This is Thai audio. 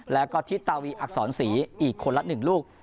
แล้วก็ทิศตาวีอักษรศรีอีกคนละ๑ลูก